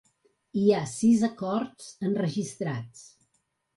Hi ha sis acords enregistrats.